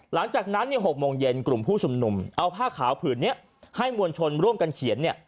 หลังจากนั้น๖โมงเย็นกลุ่มผู้ชุมนุมเอาผ้าขาวผืนนี้ให้มวลชนร่วมกันเขียนเนี่ย